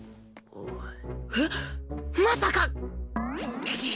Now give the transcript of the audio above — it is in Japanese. はっ！まさか